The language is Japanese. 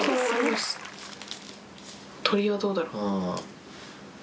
鳥はどうだろう。